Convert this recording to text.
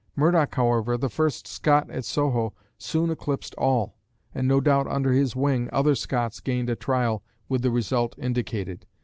Murdoch, however, the first Scot at Soho, soon eclipsed all, and no doubt under his wing other Scots gained a trial with the result indicated.